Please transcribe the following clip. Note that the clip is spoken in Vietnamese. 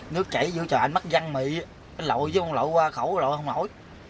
nước chảy dữ trời anh mất văn mị anh lội chứ không lội qua khẩu lội không lội